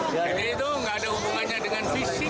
jadi itu tidak ada hubungannya dengan fisik